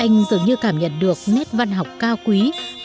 anh dường như cảm nhận được nét văn học cao quý ẩn trí